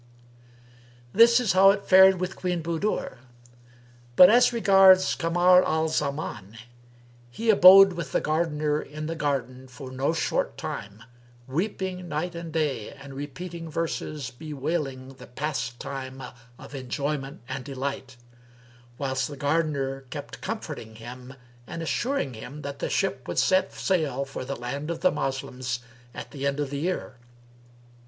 '" This is how it fared with Queen Budur; but as regards Kamar al Zaman, he abode with the gardener in the garden for no short time, weeping night and day and repeating verses bewailing the past time of enjoyment and delight; whilst the gardener kept comforting him and assuring him that the ship would set sail for the land of the Moslems at the end of the year.